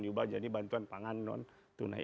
diubah jadi bantuan pangan non tunai